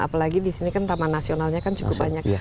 apalagi disini kan taman nasionalnya cukup banyak